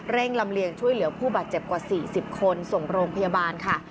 ลำเลียงช่วยเหลือผู้บาดเจ็บกว่า๔๐คนส่งโรงพยาบาลค่ะ